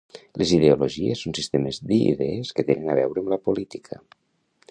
Les ideologies són sistemes d'idees que tenen a veure amb la política